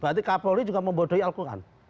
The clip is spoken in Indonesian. berarti kapolri juga membodohi al quran